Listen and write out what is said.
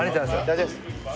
大丈夫です。